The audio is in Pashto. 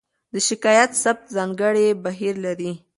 د شکایت ثبت ځانګړی بهیر لري.